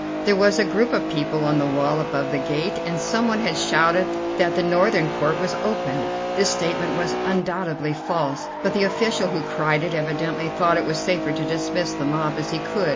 There was a group of people on the wall above the gate, and someone had shouted that the northern port was open. This statement was undoubtedly false, but the official who cried it evidently thought it was safer to dismiss the mob as he could.